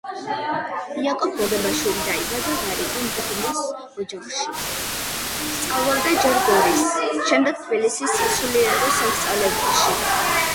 იაკობ გოგებაშვილი დაიბადა ღარიბი მღვდლის ოჯახში. სწავლობდა ჯერ გორის, შემდეგ თბილისის სასულიერო სასწავლებელში.